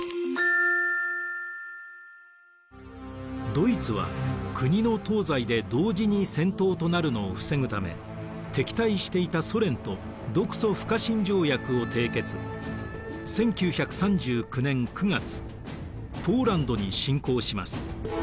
ドイツは国の東西で同時に戦闘となるのを防ぐため敵対していたソ連と１９３９年９月ポーランドに侵攻します。